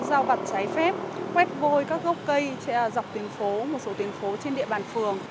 giao vật trái phép quét vôi các gốc cây dọc tuyến phố trên địa bàn phường